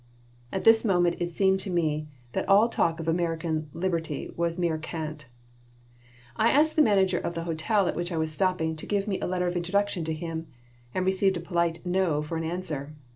At this moment it seemed to me that all talk of American liberty was mere cant I asked the manager of the hotel at which I was stopping to give me a letter of introduction to him, and received a polite no for an answer.